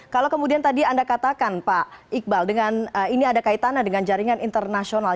kalau kemudian tadi anda katakan pak iqbal dengan ini ada kaitannya dengan jaringan internasional